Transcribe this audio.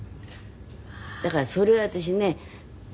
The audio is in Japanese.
だからそれを私ね。